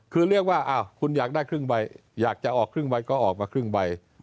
คือเรียกว่าคุณอยากได้ครึ่งใบอยากจะออกครึ่งใบก็ออกมาครึ่งใบ